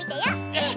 えっ！